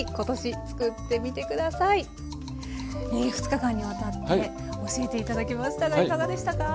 ２日間にわたって教えて頂きましたがいかがでしたか？